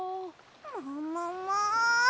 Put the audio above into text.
ももも。